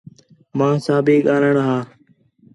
ماں ساں بھی ڳاہلݨاں ہا